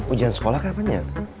ujian sekolah kenapa nya